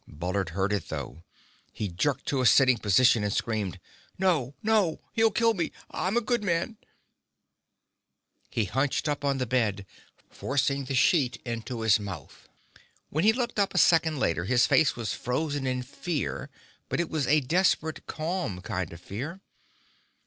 Bullard heard it, though. He jerked to a sitting position, and screamed. "No! No! He'll kill me! I'm a good man...." He hunched up on the bed, forcing the sheet into his mouth. When he looked up a second later, his face was frozen in fear, but it was a desperate, calm kind of fear.